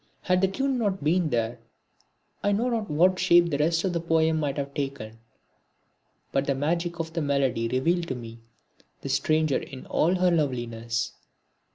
Had the tune not been there I know not what shape the rest of the poem might have taken; but the magic of the melody revealed to me the stranger in all her loveliness.